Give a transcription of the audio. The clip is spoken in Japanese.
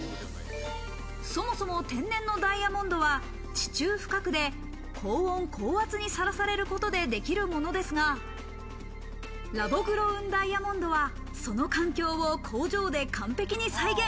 そもそも天然のダイヤモンドは地中深くで高温高圧にさらされることでできるものですが、ラボグロウンダイヤモンドはその環境を工場で完璧に再現。